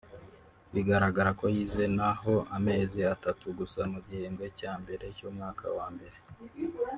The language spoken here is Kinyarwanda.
bigaragara ko yize hano amezi atatu gusa mu gihembwe cya mbere cy’umwaka wa mbere